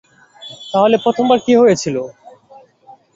তাহলে প্রথমবার কী হয়েছিল?